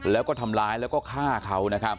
แล้วก็ทำร้ายแล้วก็ฆ่าเขา